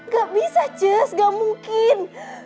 gak bisa cus gak mungkin